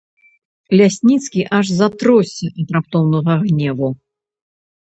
Лясніцкі аж затросся ад раптоўнага гневу.